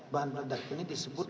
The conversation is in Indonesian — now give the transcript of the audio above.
bahan redak ini disebut